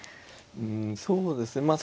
うんそうですね